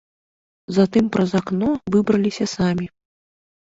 Затым праз акно выбраліся самі.